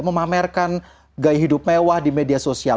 memamerkan gaya hidup mewah di media sosial